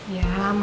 iya mama sih mau